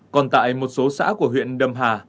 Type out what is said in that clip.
còn tại một số xã của huyện đâm hà